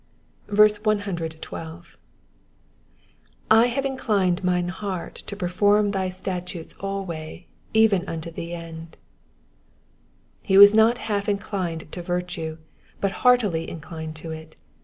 112. '*/ Juive inclined mine heart to perform thy statutes always even unto the erid.'*^ He was not half inclined to virtue, but heartily inclined to it.